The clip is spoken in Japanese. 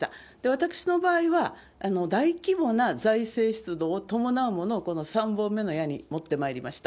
私の場合は、大規模な財政出動を伴うものを、この３本目の矢に持ってまいりました。